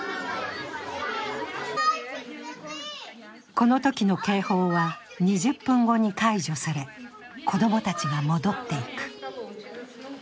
このときの警報は２０分後に解除され、子供たちが戻っていく。